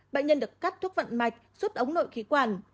bệnh nhân được cắt thuốc vận mạch rút ống nội khí quản